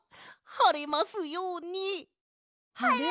はれますように！